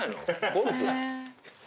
ゴルフ？